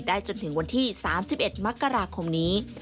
จนถึงวันที่๓๑มกราคมนี้